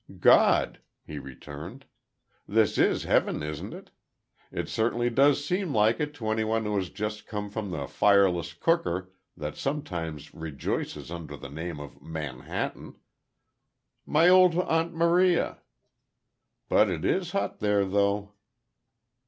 "God," he returned. "This is heaven, isn't it? It certainly does seem like it to anyone who has just come from the fireless cooker that sometimes rejoices under the name of Manhattan. My old Aunt Maria! But it is hot there, though."